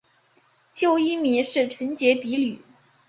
旧艺名是结城比吕。